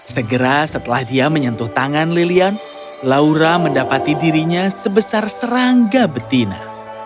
segera setelah dia menyentuh tangan lilian laura mendapati dirinya sebesar serangga betina